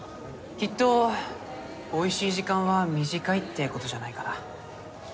きっとおいしい時間は短いってことじゃないかな？